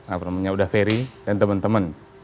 apa namanya udah ferry dan teman teman